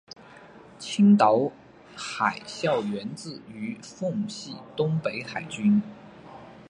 青岛海校源自于奉系东北海军。